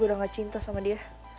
udah gak cinta sama dia